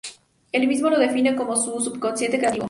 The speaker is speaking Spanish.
Él mismo lo define como su "subconsciente creativo".